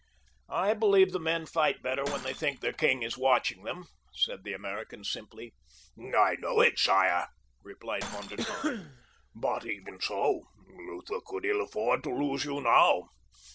"I believe the men fight better when they think their king is watching them," said the American simply. "I know it, sire," replied Von der Tann, "but even so, Lutha could ill afford to lose you now.